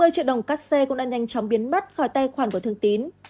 một mươi triệu đồng cắt xe cũng đã nhanh chóng biến mất khỏi tài khoản của thương tín